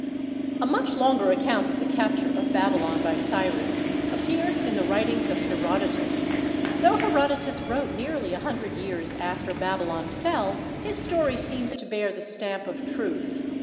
A much longer account of the capture of Baby lon by Cyrus appears in the writings of Herodotus. Though Herodotus wrote nearly a hundred years after Babylon fell, his story seems to bear the stamp of truth.